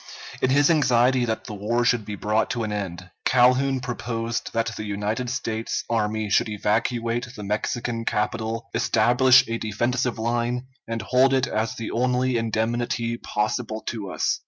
In his anxiety that the war should be brought to an end, Calhoun proposed that the United States army should evacuate the Mexican capital, establish a defensive line, and hold it as the only indemnity possible to us.